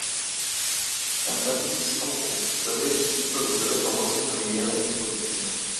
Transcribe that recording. Cantantes, así como compositores y productores famosos se unirían a esta producción.